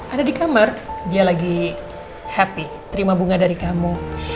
ada di kamar dia lagi happy terima bunga dari kamu